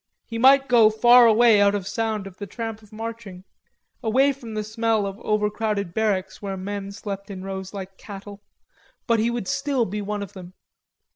He might go far away out of sound of the tramp of marching, away from the smell of overcrowded barracks where men slept in rows like cattle, but he would still be one of them.